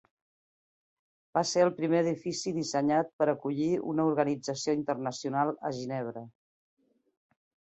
Va ser el primer edifici dissenyat per acollir una organització internacional a Ginebra.